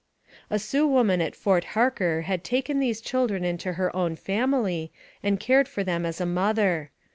A Sioux woman at Fort Harker had taken these children into her own family and cared for them as a mother.